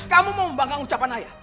kamu mau membanggakan ucapan ayah